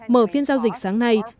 mở phiên giao dịch sáng nay